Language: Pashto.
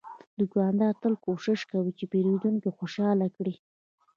دوکاندار تل کوشش کوي چې پیرودونکی خوشاله کړي.